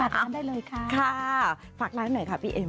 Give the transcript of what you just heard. ฝากน้ำได้เลยค่ะฝากน้ำหน่อยค่ะพี่เอม